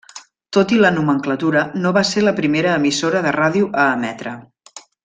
Tot i la nomenclatura no va ser la primera emissora de ràdio a emetre.